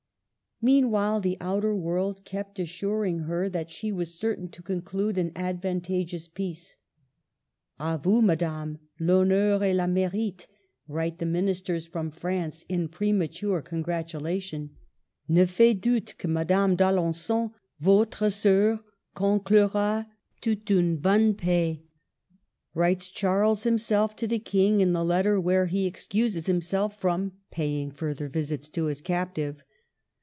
Meanwhile the outer world kept assuring her that she was certain to conclude an advanta geous peace. " A vous, Madame, I'honneur et la merite," write the ministers from France in premature congratulation. '' Ne fais doubte que Madame d'Alengon, vostre seur, conclura tost une bonne paix," writes Charles himself to the King in the letter where he excuses himself from paying further visits to his captive.